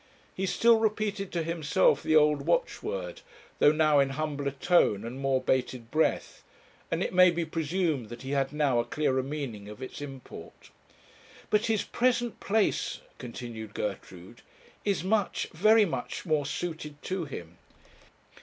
He still repeated to himself the old watchword, though now in humbler tone and more bated breath; and it may be presumed that he had now a clearer meaning of its import. 'But his present place,' continued Gertrude, 'is much very much more suited to him.